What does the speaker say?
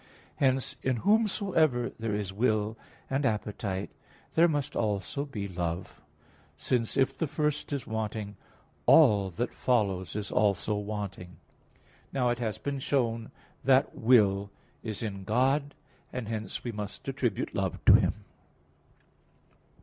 Hence, in whomsoever there is will and appetite, there must also be love: since if the first is wanting, all that follows is also wanting. Now it has been shown that will is in God (Q. 19, A. 1), and hence we must attribute love to Him.